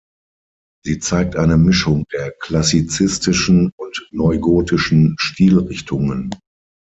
Sie zeigt eine Mischung der klassizistischen und neugotischen Stilrichtungen.